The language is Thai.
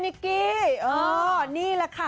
นิกกี้นี่แหละค่ะ